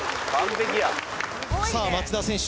さあ町田選手